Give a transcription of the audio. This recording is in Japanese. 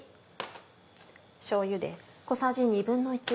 しょうゆです。